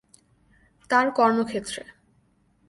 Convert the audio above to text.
তার কর্মক্ষেত্রে।